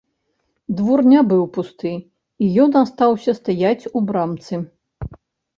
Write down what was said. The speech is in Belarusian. Двор не быў пусты, і ён астаўся стаяць у брамцы.